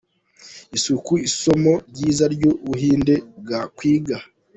Isuku, isomo ryiza u Buhinde bwakwiga.